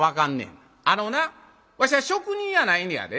あのなわしゃ職人やないねやで。